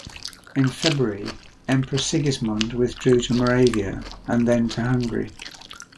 In February, Emperor Sigismund withdrew to Moravia and then to Hungary.